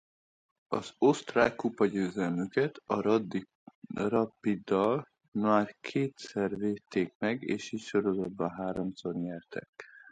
Az osztrák kupagyőzelmüket a Rapiddal még kétszer védték meg és így sorozatban háromszor nyertek.